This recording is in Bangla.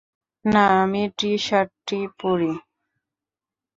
না, আমি টি-শার্টটি পড়ি।